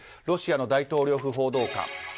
ロシアの大統領府報道官。